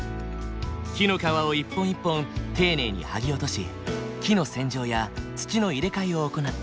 木の皮を一本一本丁寧に剥ぎ落とし木の洗浄や土の入れ替えを行った。